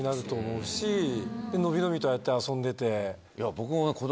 伸び伸びとああやって遊んでて。